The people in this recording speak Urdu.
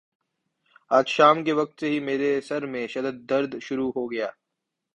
آج شام کے وقت سے ہی میرے سر میں شدد درد شروع ہو گیا